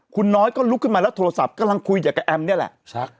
คุณน้อยก็ลุกขึ้นมาแล้วโทรศัพท์กำลังคุยกับแอมนี่แหละ